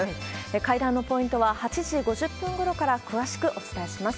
会談のポイントは８時５０分ごろから詳しくお伝えします。